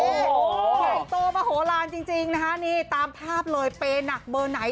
ใหญ่โตมโหลานจริงนะคะนี่ตามภาพเลยเปย์หนักเบอร์ไหน